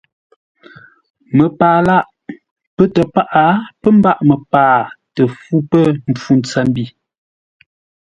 Məpaa lâʼ. Pətə́ paghʼə pə́ mbâʼ məpaa tə fú pə̂ mpfu ntsəmbi.